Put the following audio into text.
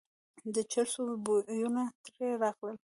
د چرسو بویونه ترې راغلل.